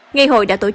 ngày hội đã tổ chức